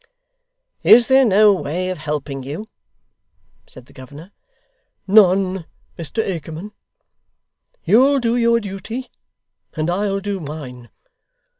'Is there no way of helping you?' said the governor. 'None, Mr Akerman. You'll do your duty, and I'll do mine.